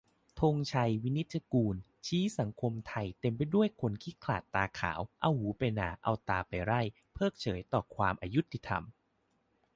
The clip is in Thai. ธงชัย วินิจจะกูล ชี้สังคมไทยเต็มไปด้วยคนขี้ขลาดตาขาว เอาหูไปนาเอาตาไปไร่ เพิกเฉยต่อความอยุติธรรม